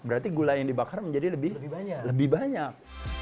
berarti gula yang dibakar menjadi lebih banyak